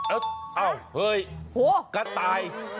เอ้าเฮ้ยกระต่าย